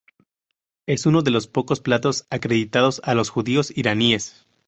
Es uno de los pocos platos acreditados a los judíos iraníes.